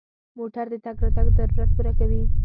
موټر د تګ راتګ ضرورت پوره کوي.